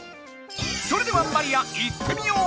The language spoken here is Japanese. それではマリアいってみよう！